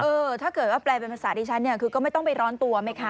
ถ้าเกิดว่าแปลเป็นภาษาดิฉันเนี่ยคือก็ไม่ต้องไปร้อนตัวไหมคะ